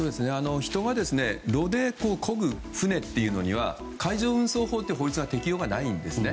人がこぐ船というのは海上運送法という法律の適用がないんですね。